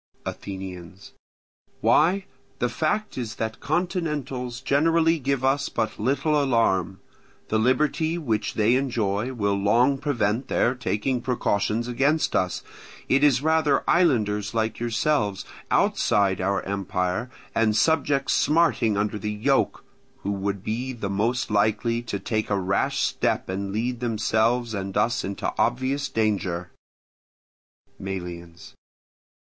Athenians. Why, the fact is that continentals generally give us but little alarm; the liberty which they enjoy will long prevent their taking precautions against us; it is rather islanders like yourselves, outside our empire, and subjects smarting under the yoke, who would be the most likely to take a rash step and lead themselves and us into obvious danger. Melians.